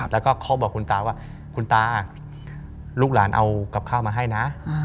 แล้วก็เขาบอกคุณตาว่าคุณตาลูกหลานเอากับข้าวมาให้นะ